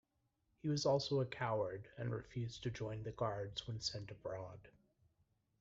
He was also a coward, and refused to join the Guards when sent abroad.